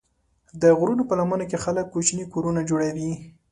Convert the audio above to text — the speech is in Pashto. د غرونو په لمنو کې خلک کوچني کورونه جوړوي.